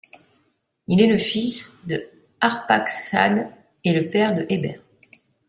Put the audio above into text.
Il est le fils de Arpakshad et le père de Eber.